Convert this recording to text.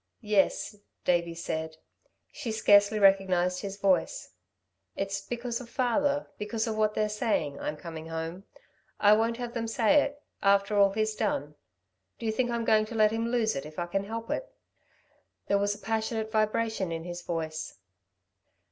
"Yes," Davey said. She scarcely recognised his voice. "It's because of father because of what they're saying I'm coming home. I won't have them say it ... after all he's done ... do you think I'm going to let him lose it, if I can help it." There was a passionate vibration in his voice.